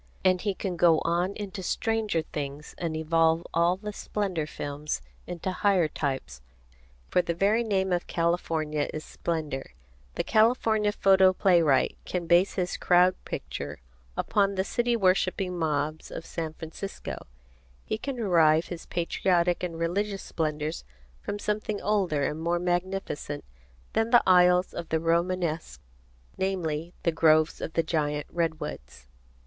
And he can go on into stranger things and evolve all the Splendor Films into higher types, for the very name of California is splendor. The California photo playwright can base his Crowd Picture upon the city worshipping mobs of San Francisco. He can derive his Patriotic and Religious Splendors from something older and more magnificent than the aisles of the Romanesque, namely: the groves of the giant redwoods.